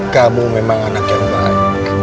kamu memang anak yang baik